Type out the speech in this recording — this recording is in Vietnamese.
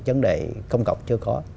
chấn đề công cọc chưa có